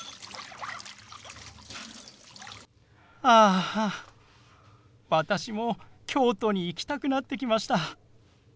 あ私も京都に行きたくなってきました。